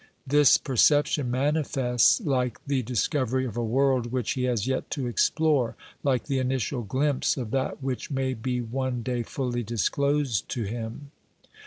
This perception manifests like the discovery of a world which he has yet to explore, like the initial glimpse of that which may be one day fully disclosed to him.